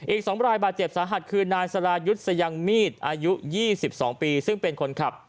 อีก๒รายบาดเจ็บสาหัสคือนายสรายุทธ์สยังมีอายุ๒๒ปีซึ่งเป็นคนขับ